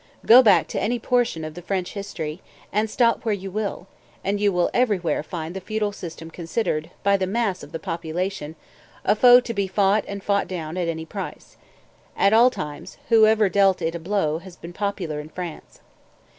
Go back to any portion of French history, and stop where you will; and you will everywhere find the feudal system considered, by the mass of the population, a foe to be fought and fought down at any price. At all times, whoever dealt it a blow has been popular in France.